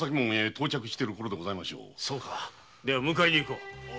そうかでは迎えに行こう。